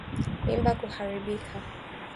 Mimba kuharibika